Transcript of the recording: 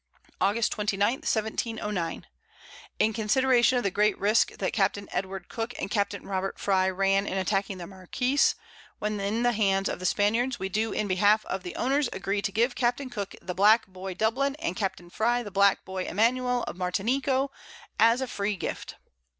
August 29. 1709. In consideration of the great Risque that Capt. Edward Cooke and Capt. Robert Frye ran in attacking the Marquiss, when in the Hands of the Spaniards, we do in behalf of the Owners agree to give Capt. Cooke the Black Boy Dublin, and Capt. Frye the Black Boy Emanuel of Martineco, _as a free Gift.